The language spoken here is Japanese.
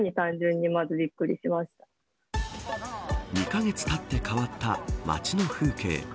２カ月たって変わった街の風景。